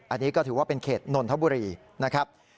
อันนี้ก็ถือว่าเป็นเขตนนทบุรีนะครับ